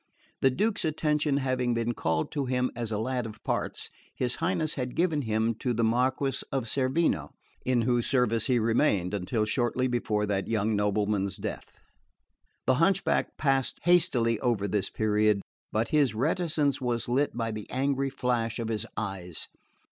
The Duke's attention having been called to him as a lad of parts, his Highness had given him to the Marquess of Cerveno, in whose service he remained till shortly before that young nobleman's death. The hunchback passed hastily over this period; but his reticence was lit by the angry flash of his eyes.